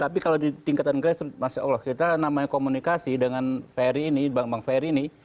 tapi kalau di tingkatan grassroots masya allah kita namanya komunikasi dengan ferry ini bank bank ferry ini